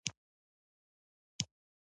خفیه پولیسو مې ټول حرکات څارل.